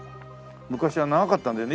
昔は長かったんだよね。